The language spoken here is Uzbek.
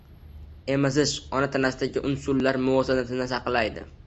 Emizish ona tanasidagi unsurlar muvozanatini saqlaydi.